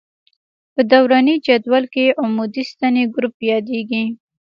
په دوراني جدول کې عمودي ستنې ګروپ یادیږي.